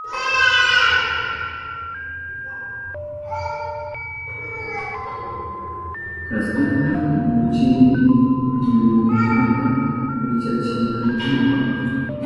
Kaspita kuyuchini muyunkunata wichachinaynipa